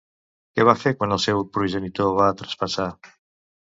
Què va fer quan el seu progenitor va traspassar?